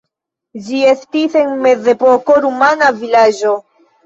Ĝi estis en mezepoko rumana vilaĝo.